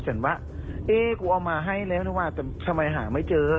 ฉันว่าเอ๊ะกูเอามาให้แล้วนะว่าทำไมหาไม่เจอ